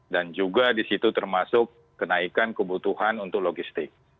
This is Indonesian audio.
dan juga disitu termasuk kenaikan kebutuhan untuk logistik